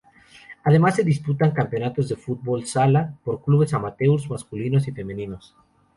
Además se disputan campeonatos de fútbol sala, por clubes amateurs masculinos y femeninos.